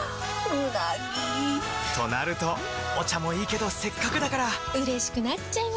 うなぎ！となるとお茶もいいけどせっかくだからうれしくなっちゃいますか！